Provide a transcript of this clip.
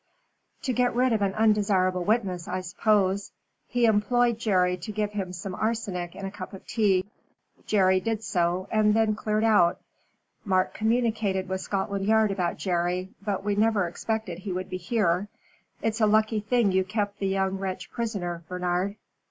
"To get rid of an undesirable witness, I suppose. He employed Jerry to give him some arsenic in a cup of tea. Jerry did so, and then cleared out, Mark communicated with Scotland Yard about Jerry, but we never expected he would be here. It's a lucky thing you kept the young wretch prisoner, Bernard."